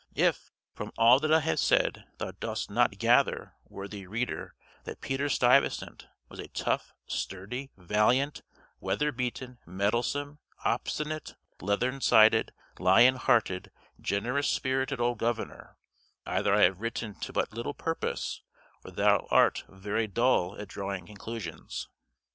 If, from all that I have said, thou dost not gather, worthy reader, that Peter Stuyvesant was a tough, sturdy, valiant, weather beaten, mettlesome, obstinate, leathern sided, lion hearted, generous spirited old governor, either I have written to but little purpose, or thou art very dull at drawing conclusions.